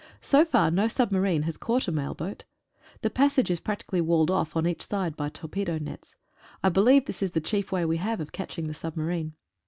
So far no submarine has caught a mail boat. The passage is practically walled off on each side by torpedo nets. I believe this is the chief way we have of catching the submarine.